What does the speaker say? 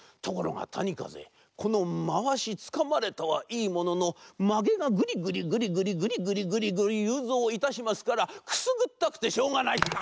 ところがたにかぜこのまわしつかまれたはいいもののまげがぐりぐりぐりぐりぐりぐりぐりぐりゆうぞういたしますからくすぐったくてしょうがない。